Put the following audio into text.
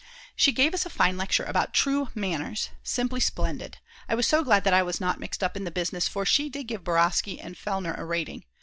She gave us a fine lecture about True Good Manners, simply splendid. I was so glad that I was not mixed up in the business, for she did give Borovsky and Fellner a rating.